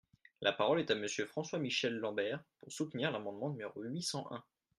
La parole est à Monsieur François-Michel Lambert, pour soutenir l’amendement numéro huit cent un.